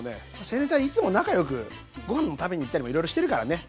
青年隊いつも仲よくご飯も食べに行ったりもいろいろしてるからね。